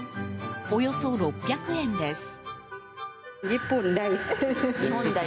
およそ６００円です。